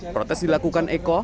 protes dilakukan eko